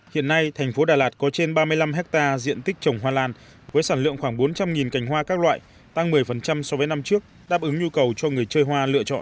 hiện nay thành phố đà lạt có trên ba mươi năm hectare diện tích trồng hoa lan với sản lượng khoảng bốn trăm linh cành hoa các loại tăng một mươi so với năm trước đáp ứng nhu cầu cho người chơi hoa lựa chọn